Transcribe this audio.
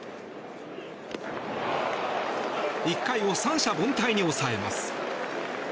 １回を三者凡退に抑えます。